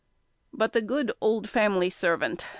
But the good "old family servant!"